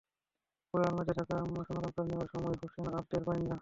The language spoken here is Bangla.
পরে আলমিরাতে থাকা স্বর্ণালংকার নেওয়ার সময় হোসনে আরা টের পেয়ে যান।